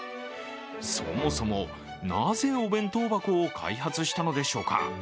そもそも、なぜお弁当箱を開発したのでしょうか。